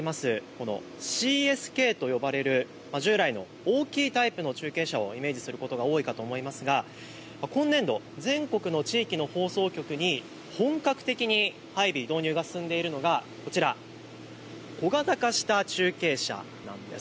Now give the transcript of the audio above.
このＣＳＫと呼ばれる従来の大きいタイプの中継車をイメージすることが多いと思いますが今年度、全国の地域の放送局に本格的に配備導入が進んでいるのが、こちら小型化した中継車なんです。